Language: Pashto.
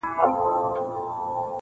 شمع ده چي مړه سي رڼا نه لري-